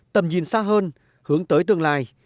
tầm nhìn xa hơn hướng tới tương lai